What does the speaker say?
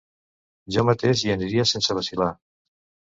Jo mateix hi aniria sense vacil·lar.